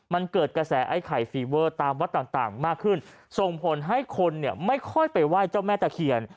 มันเกิดกระแสไอ้ไข่ฟีเวอร์ตามวัดต่างมากขึ้นส่งผลให้คนเนี่ยไม่ค่อยไปไหว้เจ้าแม่ตะเคียน